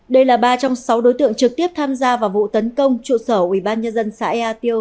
đây là ba trong sáu đối tượng trực tiếp tham gia vào vụ tấn công trụ sở ủy ban nhân dân xã ea tiêu